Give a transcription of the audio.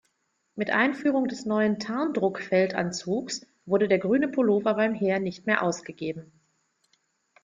Mit Einführung des neuen Tarndruck-Feldanzugs wurde der grüne Pullover beim Heer nicht mehr ausgegeben.